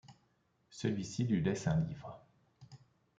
Celui-ci lui laisse un livre.